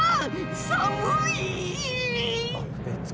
寒い。